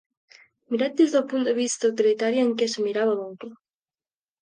Mirat des del punt de vista utilitari en què s'ho mirava l'oncle.